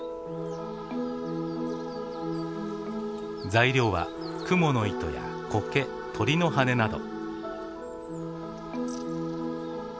材料はクモの糸やコケ鳥の羽など。